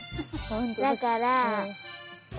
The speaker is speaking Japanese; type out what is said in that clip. だから。